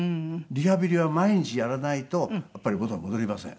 リハビリは毎日やらないとやっぱり元に戻りません。